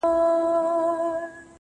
او راته وايي دغه.